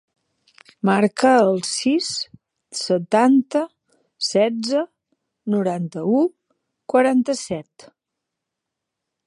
Marca el sis, setanta, setze, noranta-u, quaranta-set.